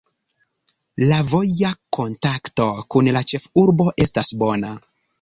La voja kontakto kun la ĉefurbo estas bona.